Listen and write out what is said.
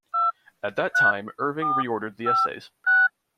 At that time, Irving reordered the essays.